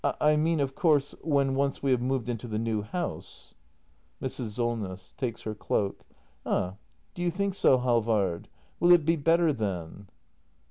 ] I mean, of course — when once we have moved into the new house. Mrs. Solness. [Takes her cloak.] Ah, do you think so, Halvard ? Will it be better then